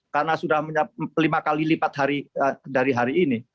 karena sudah lima kali lipat dari hari ini